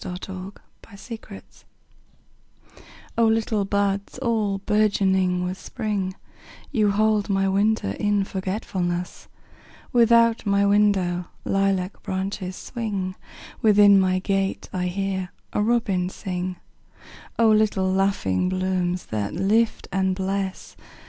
A Song in Spring O LITTLE buds all bourgeoning with Spring, You hold my winter in forgetfulness; Without my window lilac branches swing, Within my gate I hear a robin sing—O little laughing blooms that lift and bless!